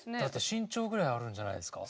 身長ぐらいあるんじゃないですか？